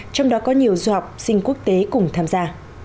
trong đó có nhiều du học sinh quốc tế cùng tham gia